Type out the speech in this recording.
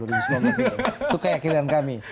dua ribu sembilan belas itu itu keyakinan kami